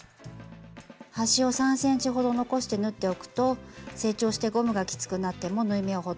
端を３ｃｍほど残して縫っておくと成長してゴムがきつくなっても縫い目をほどいて調整できます。